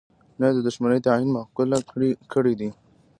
نه یې د دوښمنی تعین معقوله کړې ده.